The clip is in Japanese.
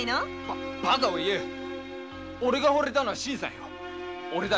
バカを言えオレがほれたのは新さんよ。